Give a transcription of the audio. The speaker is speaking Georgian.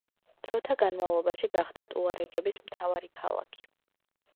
დროთა განმავლობაში გახდა ტუარეგების მთავარი ქალაქი.